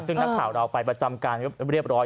ซึ่งนักข่าวเราไปประจำการเรียบร้อย